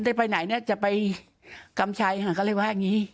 ได้ไปไหนน่ะจะไปกำชัยฮะก็เรียกว่าอย่างงี้